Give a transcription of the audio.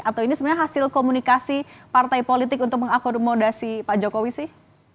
atau ini sebenarnya hasil komunikasi partai politik untuk mengakomodasi pak jokowi sih